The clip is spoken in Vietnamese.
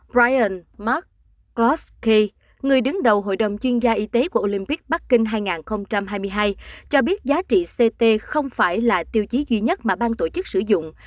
ryanmark prost k người đứng đầu hội đồng chuyên gia y tế của olympic bắc kinh hai nghìn hai mươi hai cho biết giá trị ct không phải là tiêu chí duy nhất mà bang tổ chức sử dụng